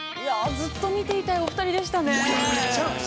◆ずっと見ていたいお二人でしたね。